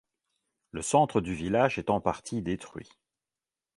Le centre du village est en partie détruit.